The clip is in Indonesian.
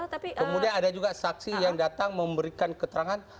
kemudian ada juga saksi yang datang memberikan keterangan